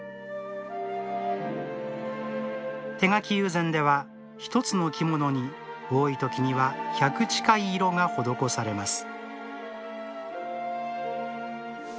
手描き友禅では１つの着物に多い時には１００近い色が施されます